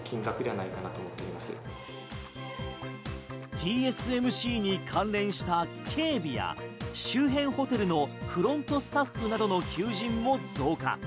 ＴＳＭＣに関連した警備や周辺ホテルのフロントスタッフなどの求人も増加。